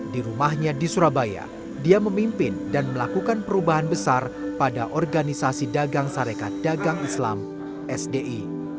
di rumahnya di surabaya dia memimpin dan melakukan perubahan besar pada organisasi dagang sarekat dagang islam sdi